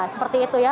seperti itu ya